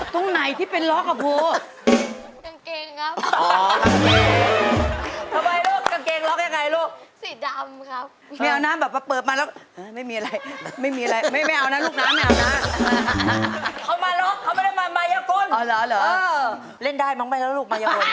ตรงไหนที่เป็นรกอะภู